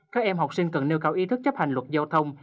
các em học sinh cần nêu cao ý thức chấp hành luật giao thông